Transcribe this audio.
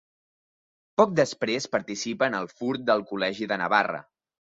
Poc després participa en el furt del Col·legi de Navarra.